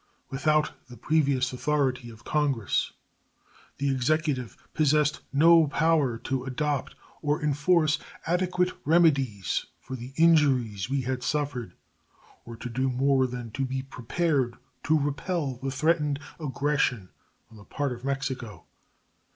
Without the previous authority of Congress the Executive possessed no power to adopt or enforce adequate remedies for the injuries we had suffered, or to do more than to be prepared to repel the threatened aggression on the part of Mexico.